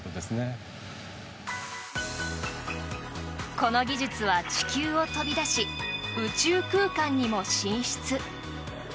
この技術は地球を飛び出し宇宙空間にも進出。